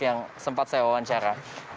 yang sempat saya wawancara